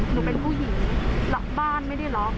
หนูเป็นผู้หญิงล็อกบ้านไม่ได้ล็อก